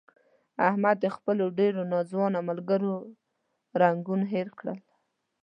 احمد د خپلو ډېرو ناځوانه ملګرو رنګون هیر کړل.